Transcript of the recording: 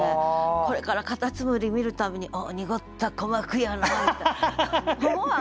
これから蝸牛見るたびに「おお濁った鼓膜やな」みたいな。